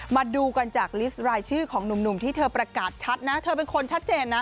มาดูกันจากลิสต์รายชื่อของหนุ่มที่เธอประกาศชัดนะเธอเป็นคนชัดเจนนะ